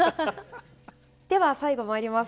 では最後まいります。